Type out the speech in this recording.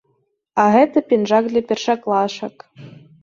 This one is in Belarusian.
А гэта пінжак для першаклашак.